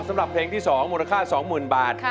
สำหรับเพลงที่๒มูลค่า๒๐๐๐บาท